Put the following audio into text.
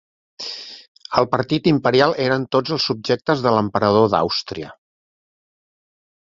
El partit imperial eren tots els subjectes de l'emperador d'Àustria.